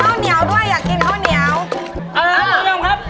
เสียบเลยหลายอยากกินข้าวเหนียวด้วย